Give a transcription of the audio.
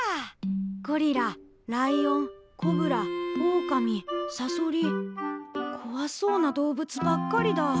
ゴリラライオンコブラオオカミサソリこわそうな動物ばっかりだ。